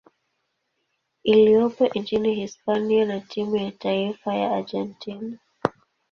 iliyopo nchini Hispania na timu ya taifa ya Argentina.